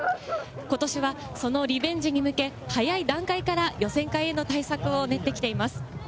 ことしはそのリベンジに向け、早い段階から予選会への対策を練ってきています。